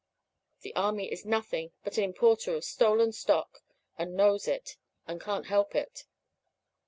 The army is nothing but an importer of stolen stock, and knows it, and can't help it.